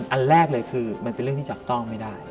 อันแรกเลยคือมันเป็นเรื่องที่จับต้องไม่ได้